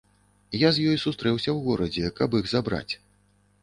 Я з ёй сустрэўся ў горадзе, каб іх забраць.